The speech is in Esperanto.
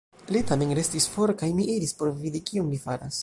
Li tamen restis for kaj mi iris por vidi, kion li faras.